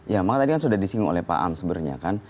ya makanya tadi kan sudah disinggung oleh pak am sebenarnya kan